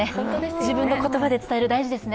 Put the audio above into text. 自分の言葉で伝える、大事ですね。